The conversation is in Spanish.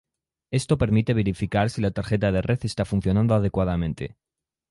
Esto permite verificar si la tarjeta de red está funcionando adecuadamente.